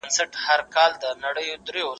د سياسي همږغۍ له پاره کار وکړئ.